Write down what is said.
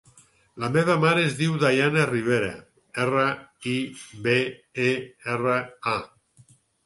La meva mare es diu Dayana Ribera: erra, i, be, e, erra, a.